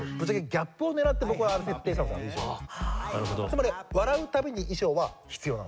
つまり笑うために衣装は必要なんです。